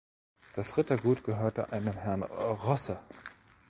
Das Rittergut gehörte einem Herrn Rosse.